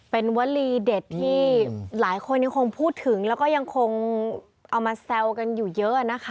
เป็นวลีเด็ดที่หลายคนยังคงพูดถึงแล้วก็ยังคงเอามาแซวกันอยู่เยอะนะคะ